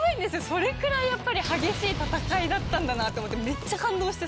それぐらい激しい戦いだったんだなって思って、めっちゃ感動して。